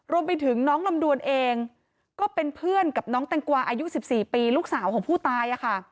รวมไปถึงน้องลำดวนเองก็เป็นเพื่อนกับน้องแตงกวาอายุ๑๔ปีลูกสาวของผู้ตาย